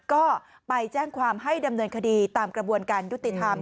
ก็ไปแจ้งความให้ดำเนินคดีตามกระบวนการยุติธรรม